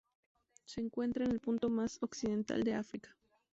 Se encuentra en el punto más occidental de África.